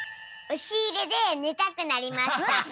おしいれでねたくなりました。